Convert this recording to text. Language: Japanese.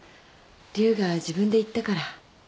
竜が自分で言ったから。